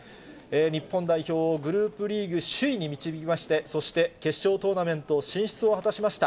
日本代表をグループリーグ首位に導きまして、そして決勝トーナメント進出を果たしました。